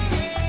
ceng eh tunggu